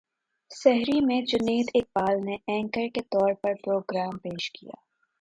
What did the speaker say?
سحری میں جنید اقبال نے اینکر کے طور پر پروگرام پیش کیا